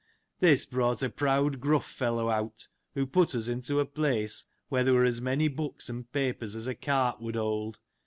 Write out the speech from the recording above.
This brought a proud, gruff fellow out, who put us into a place, where there were as many books and papers, as a cart would hold.